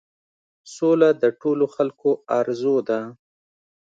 سوله د ټولو خلکو آرزو ده.